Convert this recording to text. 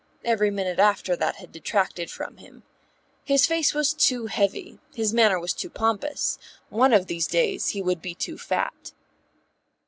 Every minute after that had detracted from him. His face was too heavy, his manner was too pompous; one of these days he would be too fat.